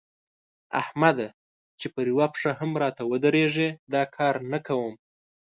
احمده! چې پر يوه پښه هم راته ودرېږي؛ دا کار نه کوم.